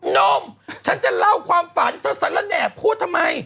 นมฉันจะเล่าความฝันเพราะสันละแหน่บพูดทำไม